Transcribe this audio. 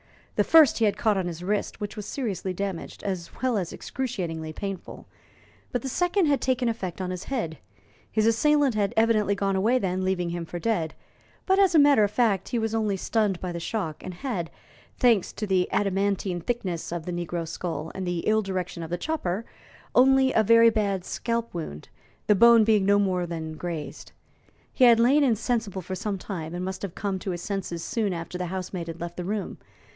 The first he had caught on his wrist, which was seriously damaged, as well as excruciatingly painful, but the second had taken effect on his head. His assailant had evidently gone away then, leaving him for dead; but, as a matter of fact, he was only stunned by the shock, and had, thanks to the adamantine thickness of the negro skull and the ill direction of the chopper, only a very bad scalp wound, the bone being no more than grazed. He had lain insensible for some time, and must have come to his senses soon after the housemaid had left the room.